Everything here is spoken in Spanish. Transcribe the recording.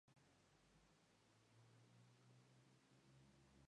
Tokyo, Sect.